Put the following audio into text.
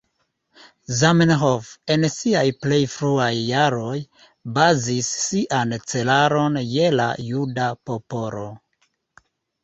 Zamenhof, en siaj plej fruaj jaroj, bazis sian celaron je la juda popolo.